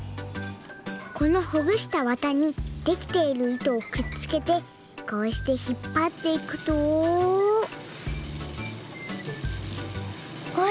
このほぐしたわたにできているいとをくっつけてこうしてひっぱっていくとあれ？